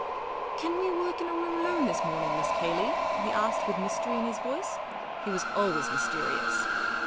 " Can we work in a room alone this morning. Miss Cayley ?" he asked, with mystery in his voice ; he was always mysteri ous.